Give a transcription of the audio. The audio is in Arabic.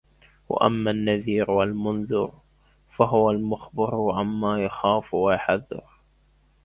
وَأَمَّا النَّذِيرُ وَالْمُنْذِرُ : فَهُوَ الْمُخْبِرُ عَمَّا يُخَافُ وَيُحْذَرُ